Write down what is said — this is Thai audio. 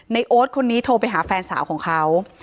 โอ๊ตคนนี้โทรไปหาแฟนสาวของเขา